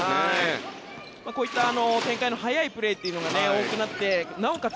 こういった展開の速いプレーというのが多くなって、なおかつ